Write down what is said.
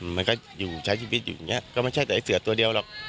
มันก็อยู่ใช้ชีวิตอยู่อย่างนี้ก็ไม่ใช่แต่ไอ้เสือตัวเดียวหรอก